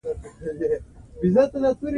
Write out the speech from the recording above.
ځنګلونه د افغانستان د طبیعي زیرمو برخه ده.